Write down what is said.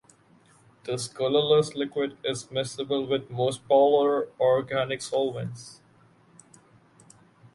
This colorless liquid is miscible with most polar organic solvents.